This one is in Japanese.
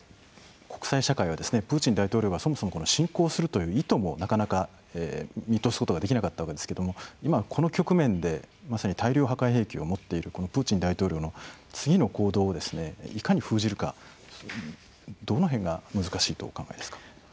国際社会はプーチン大統領はそもそも侵攻するという意図もなかなか見通すことができなかったわけですけれども今この局面でまさに大量破壊兵器を持っているこのプーチン大統領の次の行動をいかに封じるかどの辺が難しいとお考えですか？